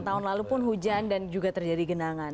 tahun lalu pun hujan dan juga terjadi genangan